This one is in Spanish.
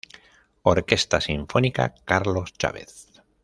Orquesta Sinfónica Carlos Chávez.